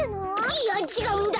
いやちがうんだ！